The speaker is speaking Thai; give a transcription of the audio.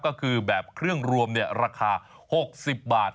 ก็คือแบบเครื่องรวมราคา๖๐บาท